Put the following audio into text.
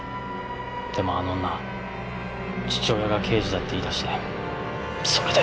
でもあの女父親が刑事だって言い出してそれで。